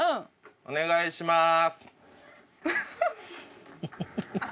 お願いします。